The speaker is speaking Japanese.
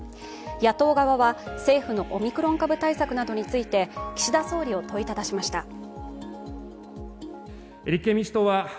野党側は政府のオミクロン株対策などについて岸田総理を問いただしました。